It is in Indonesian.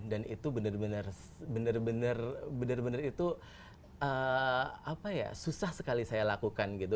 dan itu benar benar benar benar benar benar itu susah sekali saya lakukan gitu